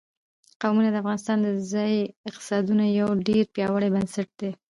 قومونه د افغانستان د ځایي اقتصادونو یو ډېر پیاوړی بنسټ دی.